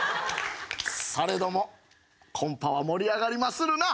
されどもコンパは盛り上がりまするな。